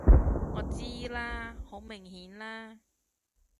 我知啦！好明顯啦！